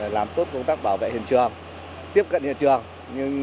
làm tốt công tác bảo vệ hiện trường tiếp cận hiện trường